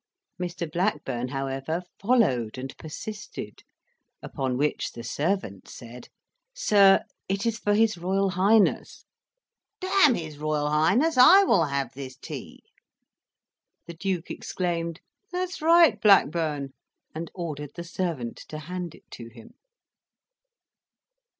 Mr. Blackburn, however, followed and persisted; Upon which the servant said, "Sir, it is for his Royal Highness." "D his Royal Highness, I will have this tea." The Duke exclaimed, "That's right, Blackburn," and ordered the servant to hand it to him.